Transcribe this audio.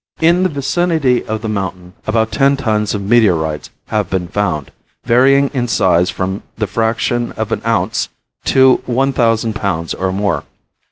In the vicinity of the mountain about ten tons of meteorites have been found, varying in size from the fraction of an ounce to one thousand pounds or more.